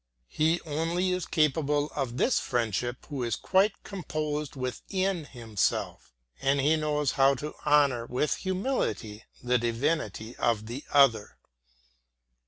He only is capable of this friendship who is quite composed within himself, and who knows how to honor with humility the divinity of the other.